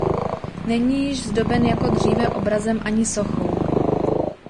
Není již zdoben jako dříve obrazem ani sochou.